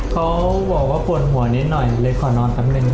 เขาบอกว่าปวดหัวนิดหน่อยเลยขอนอนแป๊บนึง